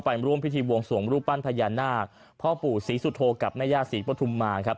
พระบุรุษีสุโทกับแม่ญาติศีพทุมมาคับ